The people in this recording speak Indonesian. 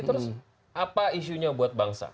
terus apa isunya buat bangsa